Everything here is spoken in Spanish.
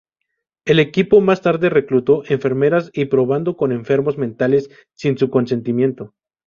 El equipo más tarde reclutó enfermeras y probando con enfermos mentales sin su consentimiento.